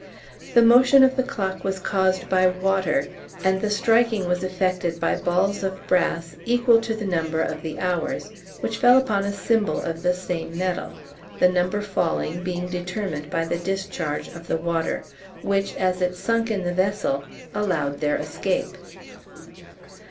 The motion of the clock was caused by water, and the striking was effected by balls of brass equal to the number of the hours, which fell upon a cymbal of the same metal, the number falling being determined by the discharge of the water, which, as it sunk in the vessel, allowed their escape.